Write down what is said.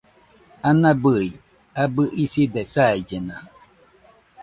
Ana bɨi abɨ iside saillena.